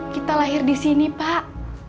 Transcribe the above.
kita lahir di sini pak